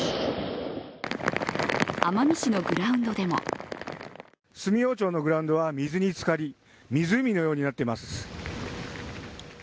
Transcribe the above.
奄美市のグラウンドでも住用町のグラウンドは水に浸かり、湖のようになっています。